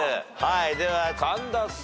では神田さん。